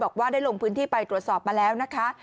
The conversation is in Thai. บอกว่าได้ลงพื้นที่ไปตรวจสอบมาแล้วนะคะ